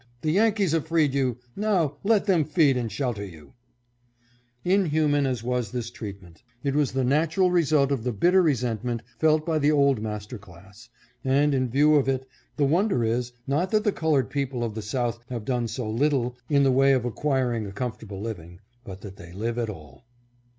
The Yankees have freed you, now let them feed and shel ter you !" Inhuman as was this treatment, it was the natural result of the bitter resentment felt by the old master class ; and, in view of it, the wonder is, not that the col ored people of the South have done so little in the way of acquiring a comfortable living, but that they live at all.